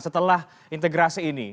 setelah integrasi ini